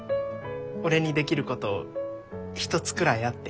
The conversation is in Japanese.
俺にできること一つくらいあって。